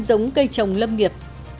giống cây trồng lâm nghiệp